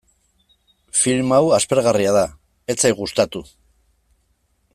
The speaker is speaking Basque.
Film hau aspergarria da, ez zait gustatu.